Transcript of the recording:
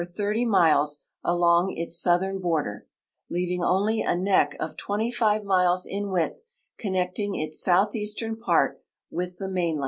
'>0 miles tilong its southern border, leaving only a nock of 25 miles in width connecting its southeastern part with the mainland.